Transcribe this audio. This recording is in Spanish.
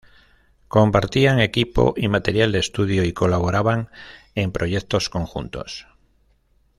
Compartían equipo y material de estudio y colaboraban en proyectos conjuntos.